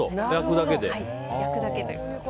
焼くだけということで。